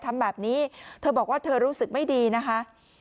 ทำแบบนี้เธอบอกว่าเธอรู้สึกไม่ดีนะคะ